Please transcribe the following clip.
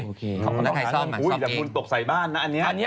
อุ้ยแต่บุญตกใส่บ้านนะอันเนี้ย